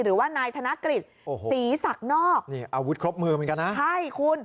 หรือว่านายธนกฤษโอ้โหศรีศักดิ์นอกนี่อาวุธครบมือเหมือนกันนะใช่คุณ